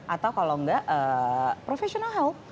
atau kalau enggak professional health